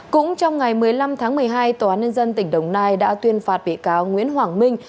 cũng trong ngày một mươi năm tháng một mươi hai tòa án nhân dân tỉnh đồng nai đã tuyên phạt bị cáo nguyễn hoàng minh